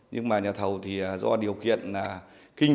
nhưng mà nhà thầu thì do điều kiện kinh